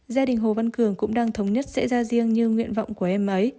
gia đình hồ văn cường cũng đang thống nhất sẽ ra riêng như nguyện vọng của em ấy